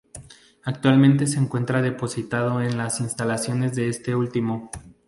Actualmente se encuentra depositado en las instalaciones de este último.